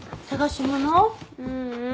ううん。